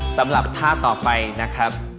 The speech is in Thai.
สำหรับท่าต่อไปนะครับ